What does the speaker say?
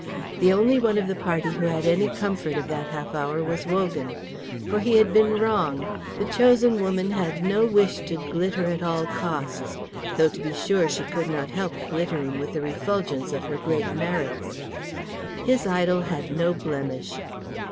The only one of the party who had any comfort of that half hour was Wogan. For he had been wrong, the chosen woman had no wish to glitter at all costs, though, to be sure, she could not help glittering with the refulgence of her great merits. His idol had no blemish.